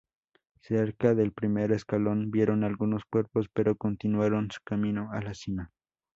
Cerca del Primer Escalón, vieron algunos cuerpos, pero continuaron su camino a la cima.